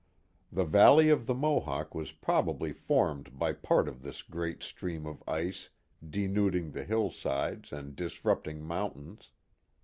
The valley of the Mohawk was probably formed by part of this great stream of ice denuding the hillsides and disrupting mountains.